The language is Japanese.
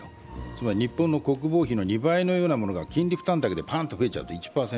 つまり日本の国防費の２倍くらいのものが金利負担でパンと増えちゃう、１％で。